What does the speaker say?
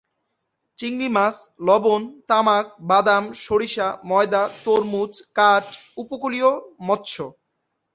চিংড়ি মাছ, লবণ, তামাক, বাদাম, সরিষা, ময়দা, তরমুজ, কাঠ, উপকূলীয় মৎস্য।